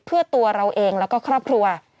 เพื่อตัวเราเองแล้วก็ครอบครัว